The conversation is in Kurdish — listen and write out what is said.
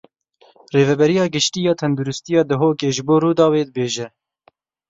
Rêveberiya Giştî ya Tendirustiya Duhokê ji bo Rûdawê dibêje.